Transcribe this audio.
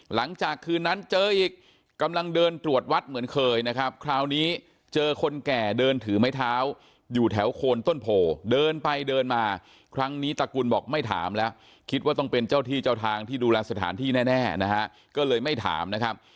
หลังจากคืนนั้นเจออีกกำลังเดินตรวจวัดเหมือนเคยนะครับคราวนี้เจอคนแก่เดินถือไม้เท้าอยู่แถวโคนต้นโพเดินไปเดินมาครั้งนี้ตระกุลบอกไม่ถามแล้วคิดว่าต้องเป็นเจ้าที่เจ้าทางที่ดูแลสถานที่แน่นะฮะก็เลยไม่ถามนะครับ